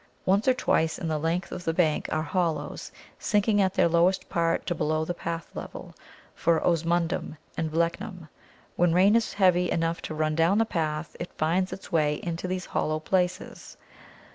Once or twice in the length of the bank are hollows, sinking at their lowest part to below the path level, for Osmunda and Blechnum. When rain is heavy enough to run down the path it finds its way into these hollow places.